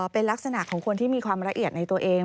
เป็นลักษณะของคนที่มีความละเอียดในตัวเอง